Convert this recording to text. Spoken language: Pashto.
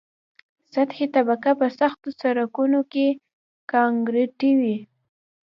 سطحي طبقه په سختو سرکونو کې کانکریټي وي